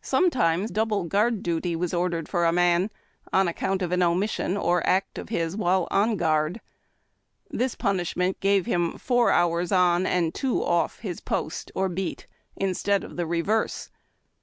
Sometimes double guard duty was ordered for a "lan on account of an omission or act of his while on guard. Ihis ON THE SPARE WHEEL. punishment gave him four hours on and two ofl' his post or beat instead of the reverse.